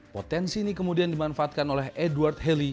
potensi ini kemudian dimanfaatkan oleh edward heli